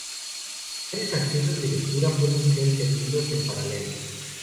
Varios accesos de lectura pueden ser servidos en paralelo.